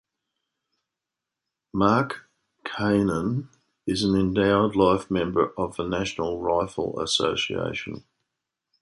Markkanen is an Endowed Life Member of the National Rifle Association.